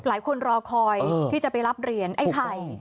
รอคอยที่จะไปรับเหรียญไอ้ไข่